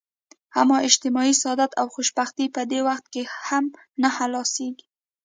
اما اجتماعي سعادت او خوشبختي په دې وخت هم نه حلاصیږي.